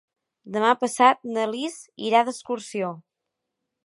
Demà passat na Lis irà d'excursió.